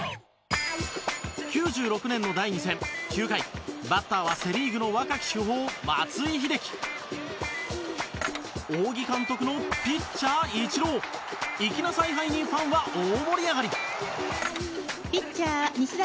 ９６年の第２戦の９回バッターはセ・リーグの若き主砲松井秀喜仰木監督のピッチャー、イチロー粋な采配にファンは大盛り上がり場内